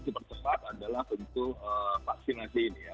yang super cepat adalah untuk vaksinasi ini ya